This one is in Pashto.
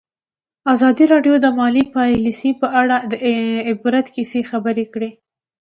ازادي راډیو د مالي پالیسي په اړه د عبرت کیسې خبر کړي.